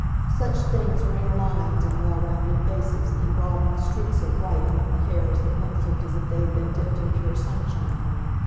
Such things bring lines in well rounded faces, and broaden the streaks of white among the hairs that once looked as if they had been dipped in pure sunshine.